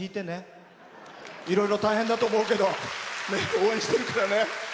いろいろ大変だと思うけど応援してるからね。